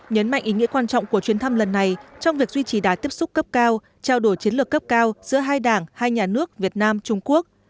nhấn mạnh ý nghĩa quan trọng của chuyến thăm lần này trong việc duy trì đá tiếp xúc cấp cao trao đổi chiến lược cấp cao giữa hai đảng hai nhà nước việt nam trung quốc